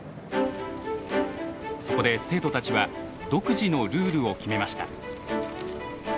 そこで生徒たちは独自のルールを決めました。